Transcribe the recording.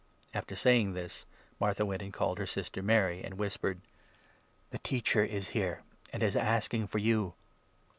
After saying this, Martha went and called her sister Mary, 28 and whispered :" The Teacher is here, and is asking for you."